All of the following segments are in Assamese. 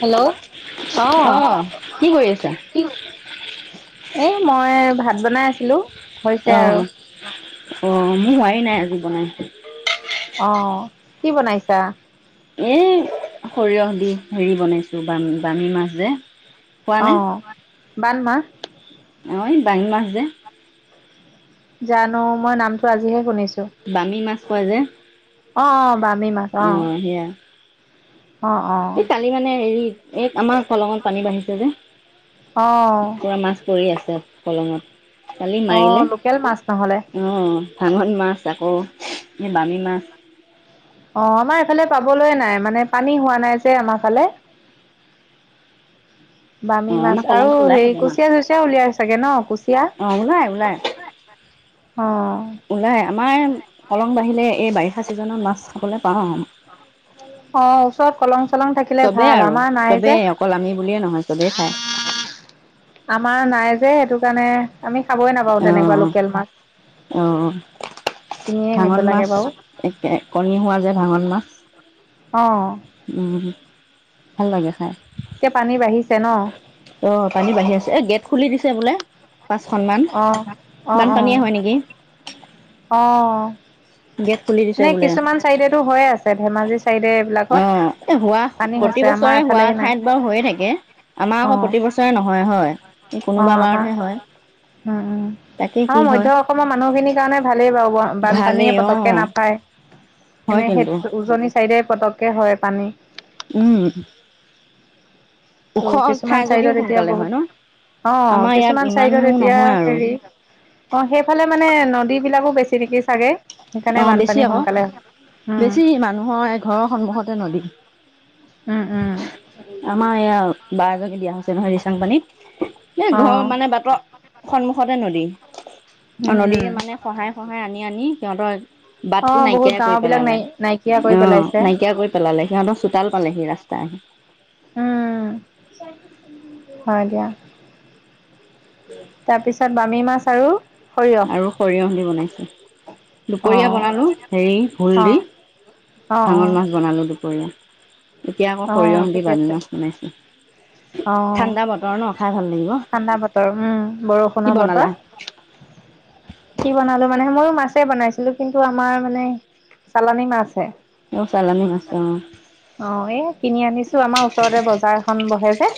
হেল্ল, ' অ কি কৰি আছা কি, এ মই ভাত, ভাত বনাই আছিলো। হৈছে অ আৰু অ মোৰ হোৱাই নাই। আজি বনাই অ কি বনাইছা? এ সৰিয়হ দি হেৰি বনাইছো বাম বামী মাছ যে। খোৱা অ বামী মাছ হৈ বামী মাছ যে জানো মই নামটো আজিহে শুনিছো, বামী মাছ কয় যে অ অ বামী মাছ অ অহ সেইয়াই অ অ এই কালি মানে হেৰি এই আমাৰ কলঙনত পানী বাঢ়িছে যে। অ পুৰা মাছ পৰি আছে। পলঙত কালি অ মাৰিলে, লোকেল মাছ নহ'লে অ অ ভাঙন মাছ আকৌ এ বামি মাছ অহ আমাৰ এইফালে পাবলৈয় নাই, মানে পানী হোৱা নাই যে আমাৰ ফালে, অ বামী মাছ আমাৰ আৰু কলঙত ওলাই হেৰি থাকে মাছ কুচিয়া চুচিয়া উলিয়াই চাগে ন, কুচিয়া অ ওলাই ওলাই অ। ওলাই আমাৰ কলং বাঢ়িলে এই বাৰিষা ছিজনত মাছ খাবলৈ পাওঁ আৱ অ ওচৰত কলং। চলং থাকিলে চবেই ভাল আৰু আমাৰ নাই যে চবেই অকল আমি বুলিয়ে নহয়, চবেই খাই। [unintelligible] আমাৰ নাই যে সেইটো কাৰণে, আমি খাবই নাপাওঁ তেনেকুৱা আহ লোকেল মাছ। আহ কিনিয়ে আনিব ভাঙন লাগে মাছ বাৰু এক কণী হোৱা যে ভাঙন মাছ অ', উম ভাল লাগে খাই এতিয়া পানী বাঢ়িছে ন? অ পানী বাঢ়ি আছে এ গেট খুলি দিছে বোলে পাঁচখনমান অ', বানপানীয়ে হয় নেকি অঁহ গেট খুলি দিছে বোলে আছে ধেমাজি চাইডে অ এইবিলাকত হোৱা পানী হৈছে আমাৰ প্ৰতিবছৰে হোৱা এফালেহে নাই ঠাইত বাৰু হৈয়ে থাকে আমাৰ আকৌ অ', প্ৰতিবছৰে নহয় হয় এই অ কোনোবা আমাৰ বাৰতহে হয় উম তাকে উ কি আমাৰ হয় মাধ্যয়ম অসমৰ মানুহখিনিৰ কাৰণে ভালেই বাৰু ভালেই বানপানীয়ে অ পতকে নাপায় হয় এনে কিন্তু সেই উজনি চাইদে পতকে হয় পানী উম ত ওখ কিছুমান ঠাই যদিও চাইডত এতিয়া সোনকালে হয় বহুত ন অ আমাৰ ইয়াত কিছুমান চাইডত ইমানো এতিয়া নহয় আৰু হেৰি অ সেইফালে মানে নদীত বিলাকো বেছি নেকি চাগে অ সেইকাৰণে বেছি বানপানী আকৌ সোনকালে হয় উম বেছি মানুহৰ এই ঘৰৰ সন্মুখতে নদী উম উম আমাৰ ইয়াৰ বাৰ এজনি বিয়া হৈছে নহয় দিচাং পানীত এই অ ঘৰৰ মানে বাটৰ সন্মুখতে নদী উম নদী উম মানে খহাই খহাই আনি আনি সিহঁতৰ অ বাট টো বহুত নাইকিয়া গাও কৰি বিলাক নাই পেলালে নাইকিয়া কৰি অ পেলাইছে নাইকিয়া কৰি পেলালে সিহঁতৰ চোতাল পালে সি ৰাস্তাই আহে উম হয় দিয়া তাৰপিছত বামি মাছ আৰু সৰিয়হ আৰু সৰিয়হ দি বনাইছোঁ অ দুপৰীয়া বনালোঁ হেৰি ভূল অ দি অ অ ভাঙল মাছ বনালো দেই কণি অ ঠিকে আছে অ ঠাণ্ডা বতৰ ন খাই ভাল লাগিব ঠাণ্ডা বতৰ উম কি বৰষুণৰ বনালা বতৰ কি বনালো মানে মই মাছে বনাইছিলো কিন্তু আমাৰ মানে চালানী মাছ হে অ চালানী মাছ আহ অ', এই কিনি আনিছো আমাৰ ওচৰতে বজাৰখন বহে হে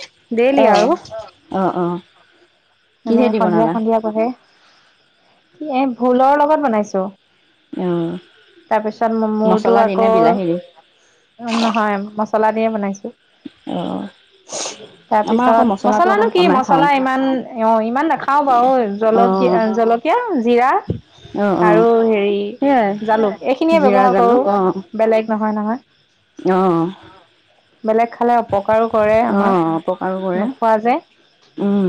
দেলি অ আৰু অ মানে কিহেদি সন্ধিয়া বনালা সন্ধিয়া বহে কি এ। ভোলৰ লগত বনাইছোঁ। অ তাৰপিছত মমতো মছলা আকৌ দিনে বিলাহী দি নহয় মচ চলা দিয়ে বনাইছো। অ আমাৰ আকৌ তাৰপিছত মছলাটো অকণ মছলানো কি কমাই খাওঁ মছলা ইমান অ ইমান নাখাও বাৰু অ জলকীয়া জলকীয়া জিৰা অ অ আৰু হেৰি সেয়াই জালুক এইখিনিয়ে জিৰা ব্যৱ্হাৰ কৰো জালুক অ বেলেগ নহয় নহয়। অ বেলেগ খালে অপকাৰো কৰে অ আমাক অপকাৰো কৰে নোখোৱা যে। উম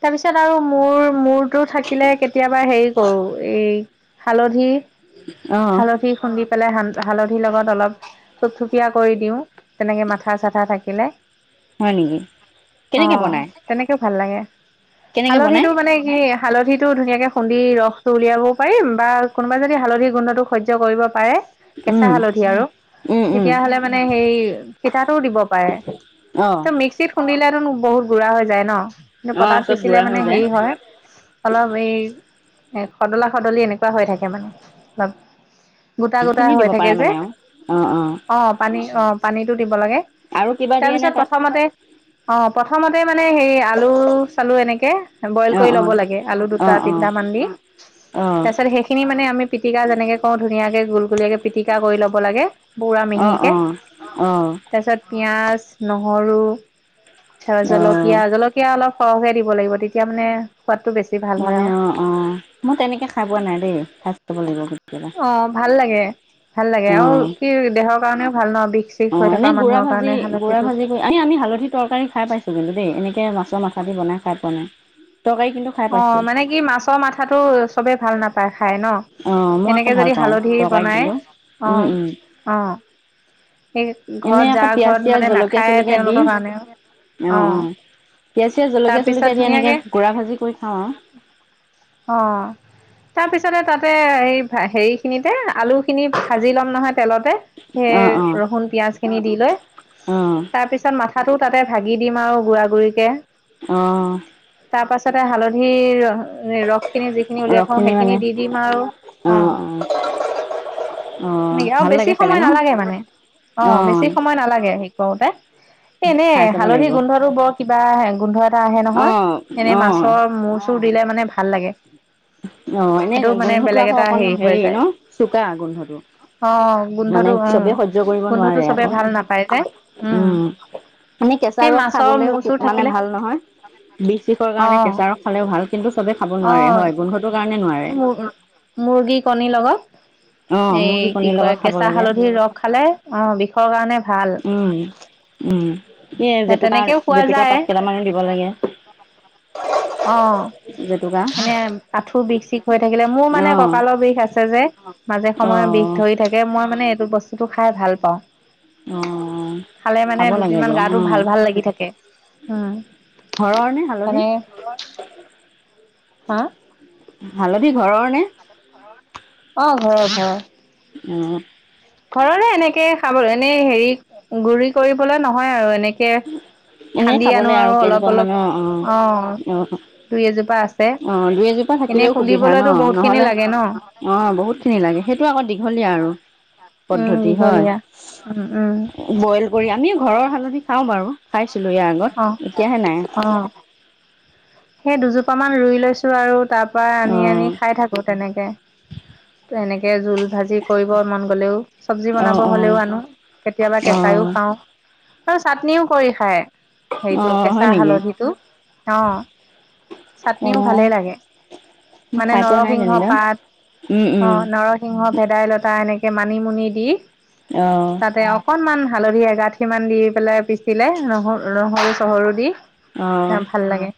তাৰপিছত আৰু মোৰ মোৰ টো থাকিলে কেতিয়াবা হেৰি কৰোঁ এই হালধি। অ হালধি খোন্দিপ। পেলাই হালধিৰ লগত অলপ চপচুপীয়া কৰি দিওঁ তেনেকে মাথা চাথা থাকিলে। হয় নেকি? অ কেনেকে বনাই? তেনেকেও ভাল লাগে। কেনেকে বনাই হালধিটো মানে কি হালধিটো ধুনীয়াকৈ খুন্দি ৰসটো উলিয়াবও পাৰিম বা কোনোবাই যদি হালধি গোন্ধটো সহ্য কৰিব পাৰে কেঁচা উম হালধি আৰু, উম উম তেতিয়া হ'লে মানে সেই পতাটোও দিব পাৰে। অ ত মিক্সিত খুন্দিলে বহুত গুৰা হৈ যায় ন? কিন্তু অ পটাত চব পিচিলে গুড়া হৈ মানে যায় হেৰি হয় অলপ এই এই সদলা সদলি এনেকুৱা হৈ থাকে মানে অপ গোটা গোটা সেইখিনি হৈ দিব থাকে পাৰে যে, মানে আৰু অ অ পানী অ পানীত দিব লাগে। আৰু কিবা দিয়ে নে তাৰপিছত তাত প্ৰথমতে অ প্ৰথমতে মানে সেই আ চালো এনেকে বইল অ কৰি অ লব লাগে, আলু অ অ দুটা তিনিটা মান দি। অ তাৰপিছত সেইখিনি মানে আমি পিটিকা যেনেকে কওঁ ধুনীয়া ধুনীয়াকে গুল গুলীয়াকে পিটিকা কৰি ল'ব লাগে, পোৰা অ অ মিহিকে অ তাৰপিছত পিঁয়াজ নহৰু। অ', জলকীয়া জলকীয়া অলপ সৰহকে দিব লাগিব তেতিয়া মানে সোৱাদটো বেছি ভাল হয় মানে আৰু অ অ মই তেনেকে খাই পোৱা নাই দেই, খাই চাব লাগিব কেতিয়াবা অ ভাল লাগে অহ। কাৰণে ভাল নহ। অ এনেই গুড়ৰা ভাজি গু় ভাজি কৰি আ আমি হালধি তৰকাৰী খাই পাইছো। কিন্তু দেই এনেকৈ মাছৰ মাথা দি বনাই খাই পোৱা নাই। তৰকাৰী কিন্তু খাই অ' পাইছোঁ, মানে কি, মাছৰ মাথাটো চবে ভাল না তা অ' মই আকৌ ভাল পাওঁ, তৰকাৰীত বনাই দিলেও। অ উম - উম। অ সেই এনে ঘৰত আকৌ যাৰ ঘৰত পিয়াজ-চিয়াজ, মানে নাখায় জলকীয়া-চলকীয়া দি, তেওঁলোকৰ কাৰণে অ' - অ'। পিঁয়াজ-চিয়াজ, তাৰপিছত জলকীয়া-চলকীয়া দি এনেকে ধুনীয়াকে গুড়া ভাজি কৰি খাওঁ আৰু। অ' তা তাৰপিছতে তাতে এই ভে- হেৰিখিনিতে আলুখিনি ভাজি লম নহয় তেলতে, সেই অ', অ', ৰহুন পিয়াজখিনি দি লৈ। অ', তাৰপিছত মাথা থাটোও তাতে ভাগি দিম আৰু গুড়া-গুড়িকে। অ' - অ'। তাৰপাছ তাতে হালধি এই ৰসখিনি যিখিনি উলিয়াই থওঁ, ৰসখিনি মানে সেইখিনি দি দিম আৰু। অ'। অ', এনেকে। আৰু ভাল বেছি লাগে চাগে সময় ন? নালাগে মানে। অ', বেছি সময় নালাগে হে কৰোঁতে। এনেই খাই চাব লাগিব। হালধিৰ গোন্ধটো বৰ কিবা আহে। গোন্ধ এটা আহে অ', নহয়। এনে অ', মাছৰ মূৰ-চুৰ দিলে মানে ভাল লাগে। অ'। এনে সেইটো মানে গোন্ধটো বেলেগ আকৌ এটা অকন হৈ হেৰি যায় ন'? চোকা গোন্ গোন্ধটো। অ মানে গোন্ধটো অ চবে সহ্য কৰিব গোন্ধটো নোৱাৰে চবে আকৌ। ভাল নাপায় যে উম, মানে কেঁচা সেই ৰস মাছৰ খাবলৈ মূৰ চুৰ মানে থাকিলে ভাল নহয়। বিষ-চিষৰ অ কাৰণে কেঁচা ৰস খালেও ভাল, কিন্তু চবে খাব নোৱাৰে, হয়। গোন্ধটোৰ কাৰণে নোৱাৰে। এ মুৰ- মুৰ্গী কণীৰ লগত অ', সেই মুৰ্গী কি কণীৰ কয়, লগত খাব কেঁচা লাগে হালধিৰ ৰস খালে, অ' বিষৰ কাৰণে ভাল উম - উম। এ জেতুকাৰ- তেনেকেও খোৱা জেতুকা যায় পাত কেইটামানো দিব লাগে। জেতুকা খালে আঠু বিষ-চিষ হৈ থাকিলে, মোৰ মানে অ'। কঁকালৰ বিষ আছে যে, মাজে সময়ে বিষ অ', ধৰি থাকে। মই মানে এইটো বস্ স্তুটো খাইয়ে ভাল পাওঁ। অ', খালে মানে খাব লাগে দুদিনমান দিয়া গাটো অ', ভাল-ভাল লাগি থাকে। উম। ঘৰৰ নে হালধি? মানে, হা? হালধি ঘৰৰ নে? অ' ঘৰৰ - ঘৰৰ। অ'। ঘৰৰে এনেকে খাব- এনে হেৰি গুৰি কৰিবলৈ নহয় আৰু এনে এনে খাবলৈ আৰু কেইজোপা অলপ মান, অ' - অ'। দুই এজোপা আছে অ'। অ' দুই-এজোপা এনে থাকিলেও সুবিধা খুন্দিবলৈতো ন'। বহুত খিনি নহলে লাগে ন। অ' বহুতখিনি লাগে। সেইটো আকৌ দীঘলীয়া আৰু উম পদ্ধতি হয়। দীঘলীয়া উম উম বইল কৰি- আমিও ঘৰৰ হালধি বাৰু। খাইছ তোলৈ আগত, অ এতিয়া হে নাই। অ সেই দুজোপা মান ৰুই লৈছো আৰু তাত ত পৰা আনি আনি অ', খাই থাকো তেনেকে ত এনেকে কে জুল ভাজি কৰিব মন গ'লেও চব্জি বনাব অ', অ', হ'লেও আনো কেতিয়াবা কেঁচায়ো অ', খাওঁ আৰু চাটনিও কৰি খায় হেটো অ', কেঁচা হয় নেকি হালধিটো অ চাটনিও অ', ভালে লাগে মই মানে খাই পোৱা নাই নৰসিংহ যেনিবা পাত উম, অ উম, নৰসিংহ ভেদাইলতা এনেকে মানিমুনি দি অ', তাতে অকনমান হালধি এগাঠি মান দি পেলাই পিচিলে নহ নহৰু চহৰু দি অ ভাল লাগে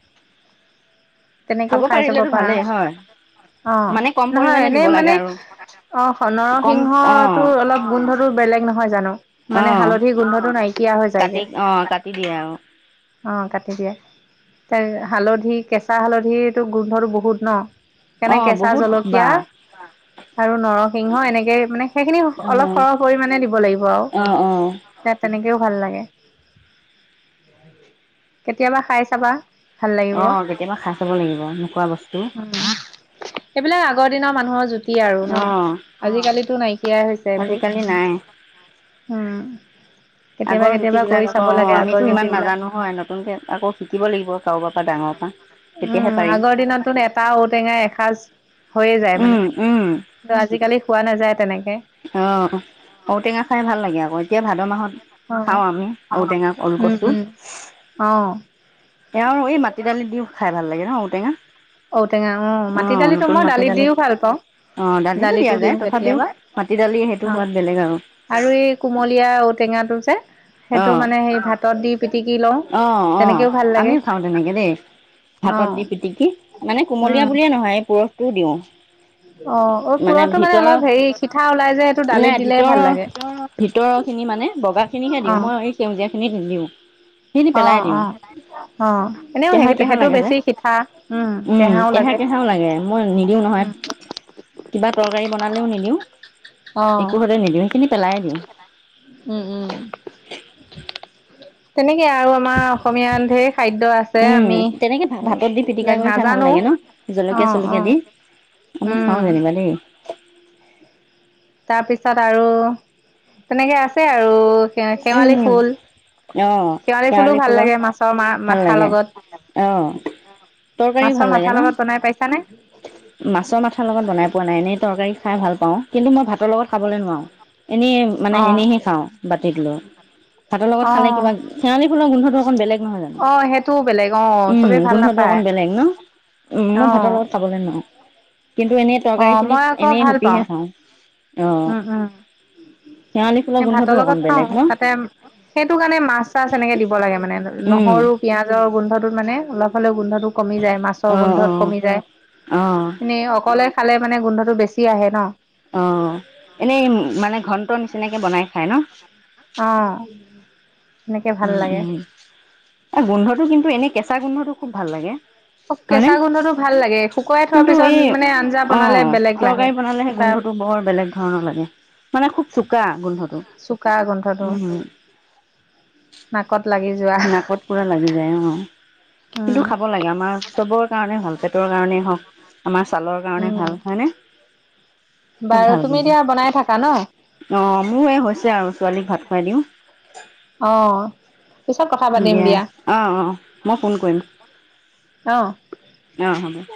তেনেকেও খাব খাই চাব পাৰিলেতো ভালেই হয় পাৰা অ মানে কম নহয় পৰিমাণে এনে দিব লাগে মানে আৰু অ কম নৰসিংহটো অ', অলপ গোন্ধটো বেলেগ নহয় জানো মানে অ', হালধি গোন্ধটো নাইকিয়া হৈ যায়গে দিদিয়ে আৰু অ কাটি দিয়ে ত হালধি কেঁচা হালধিটো গোন্ধটো বহুত ন সেইকাৰণে অ', কেঁচা বহুত জলকীয়া বা আৰু নৰসিংহ এনে কেঁচা জলকীয়া আৰু নৰসিংহৰ এনেকে মানে সেইখিনি অলপ অ', সৰহ পৰিমানে দিব লাগিব অ', অ', আৰু তেনেকে ও ভাল লাগে কেতিয়াবা খাই চাবা ভাল আহ লাগিব কেতিয়াবা খাই চাব লাগিব নোখোৱা বস্তু হ যদি কি আৰু ন অ', আজিকালিতো নাইকিয়াই হৈছে সেইবোৰ আজিকালি নাই উম কেতিয়াবা কেতিয়াবা কৰিছে অ আমিতো ইমান নাজানো হয় নতুনকে আকৌ শিকিব লাগিব কাৰোবাৰ ডাঙৰ পা উম আগৰ দিনততোন এটা ঔটেঙা এসাঁজ হৈয়ে যায় মানে উম, উম, আজিকালি খোৱা নাযায় তেনেকে অ ঔটেঙা খাই ভাল লাগে আকৌ এতিয়া ভাদ মাহৰ খাও অ', আমি ঔটেঙা উম, অলকচু, উম। অ', এয়াৰ এই মাটি দালি দিও খাই ভাল লাগে ন ঔ তেঙা ঔটেঙা অ মাটি দালিতটো মই দালিত দিও ভাল পাওঁ অ', দালিতো দিয়া যায় দিওঁ তথাপিও কেতিয়াবা মাটি দালি সেইটো অ সোৱাদ বেলেগ আৰু আৰু এই কুমলীয়া ঔটেঙা টো যে সেইটো অ', মানে সেই ভাতত দি পিটিকি লওঁ। অ', অ', তেনেকেও ভাল লাগে। আমিও খাওঁ তেনেকে দেই হাতত অহ দি পিটিকি মানে কোমলীয়া বুলিয়ে নহয় পুৰঠটোও দিওঁ। অ' অ অ পুৰঠটো মানে অলপ হেৰি সিঠা ওলাই যে এইটো দালিত নাই দিলে ভিতৰৰ ভাল লাগে। ভিতৰৰ খিনি মানে বগা খিনিহে অ মই এই সেউজীয়া খিনি দিওঁ। সিনি অ পেলাই দিওঁ। অ অ এনেও সেই কেঁহা-কেঁহা সেইটো লাগে যে। বেছি সিঠা উম কেহাও লাগে কেঁহা-কেহাওঁ লাগে। মই নিদিওঁ নহয় উম কিবা তৰকাৰী বনালেও নিদিওঁ অ একো হতে নিদিওঁ সেইখিনি পেলাই দিওঁ। উম, উম। তেনেক কে আৰু আমাৰ অসমীয়াৰ ঢেৰ খাদ্য আছে। উম আমি তেনেকে ভাতত দি পিটিকা এইবিলাক কৰি খাই ভাল নাজানো লাগে ন অ জলকীয়া অ চলকীয়া দি আমি খাওঁ উম যেনিবা দেই তাৰপিছত আৰু তেনেকে আছে আৰু শেৱালি উম ফুল। অ শেৱালি ফুলো ভাল লাগে মাছৰ ভাল মাথাৰ লাগে লগত। অ তৰকাৰীও মাছৰ ভাল লাগে মাথাৰ ন লগত বনাই পাইছানে? মাছৰ মাথা লগত বনাই পোৱা নাই। এনেই তৰকাৰী খাই ভাল পাওঁ। কিন্তু মই ভাতৰ লগত খাবলৈ নোৱাও। এনেই মানে অ এনেইহে খাওঁ বাতিত লৈ। ভাতৰ লগত খালে অ', কিবা, শেৱালি ফুলৰ গোন্ধটো অকন বেলেগ নহয় জানো? অ', সেইটোও বেলেগ অ', উম চবেই ভাল গোন্ধটো নাপায় অকন বেলেগ ন? উম মোৰ ভাতৰ অ', লগত বোলে নুৱাও কিন্তু এনেই তৰকাৰী অ', খিনি মই আকৌ এনেই ভাল হুপিহে পাওঁ খাওঁ। অ উম, শেৱালি ফুলৰ উম। গোন্ধটো ভাতৰ অকণ লগত বেলেগ খাও, ন তাতে সেইটো কাৰণে মাছ চাছ এনেকে দিব লাগে মানে। উম নহৰু, পিয়াজৰ গোন্ধটোত মানে অলপ হলেও গোন্ধটো কমি যায়। মাছৰ অ অ গোন্ধত কমি যায়। অ এনে অকলে খালে মানে গোন্ধটো বেছি আহে ন অ এনেই মানে ঘন্টো নিচিনাকে বনাই খাই ন? অ। সেনেকে ভাল উম, লাগে উম। এ গোন্ধটো কিন্তু এনেই কেঁচা গোন্ধটো খুব ভাল লাগে। হয়নে কেঁচা গোন্ধটো ভাল লাগে। শুকুৱাই থোৱাৰ কিন্তু এই পিছত মানে আঞ্জা অ', বনালে বেলেগ লাগে। তৰকাৰী বনালে সেই কিবা গোন্ধটো চুকা গোন্ধত চোকা গোন্ধটো। নাকত লাগি যোৱা নাকত পুৰা লাগি যায় অ। কিন্তু উম খাব লাগে আমাৰ চবৰ কাৰণে ভাল। পেটৰ কাৰণেই হওক আমাৰ ছালৰ কাৰণে উম ভাল হয়নে খুব বাৰু ভাল তুমি এতিয়া বনাই থাকা ন কিন্তু অ মোৰ এই হৈছে আৰু ছোৱালীক ভাত খুৱাই দিওঁ অ পিছত কথা পাতিম দিয়া অ অ মই ফোন কৰিম অ অ হব